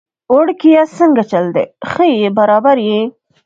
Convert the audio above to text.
وړکیه څنګه چل دی، ښه يي برابر يي؟